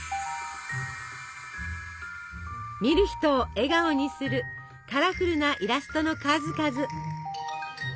見る人を笑顔にするカラフルなイラストの数々。